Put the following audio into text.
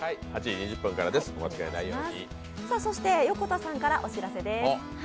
横田さんからお知らせです。